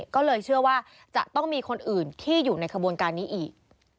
ก็เลยเชื่อว่าจะต้องมีคนอื่นที่อยู่ในขบวนการนี้อีก